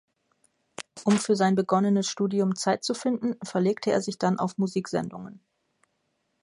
Um für sein begonnenes Studium Zeit zu finden, verlegte er sich dann auf Musiksendungen.